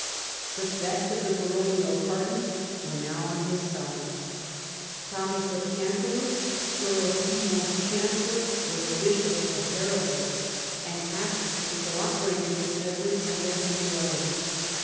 The best of the baronial party were now on his side. Thomas of Canti lupe, Earl Simon's Chancellor, was Bishop of Hereford, and actively co operating with Edward against Lly welyn.